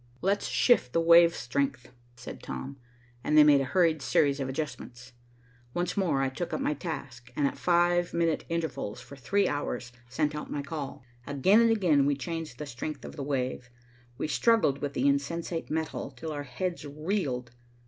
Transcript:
"Let's shift the wave strength," said Tom, and they made a hurried series of adjustments. Once more I took up my task, and at five minute intervals for three hours sent out my call. Again and again we changed the strength of the wave. We struggled with the insensate metal till our heads reeled.